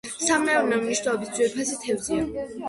სამეურნეო მნიშვნელობის, ძვირფასი თევზია.